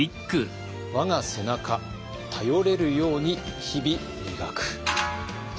「我が背中頼れるように日々磨く」。